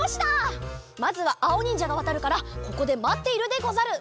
まずはあおにんじゃがわたるからここでまっているでござる。